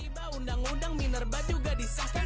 tiba undang undang minerba juga disahkan